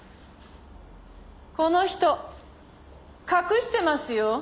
この人隠してますよ。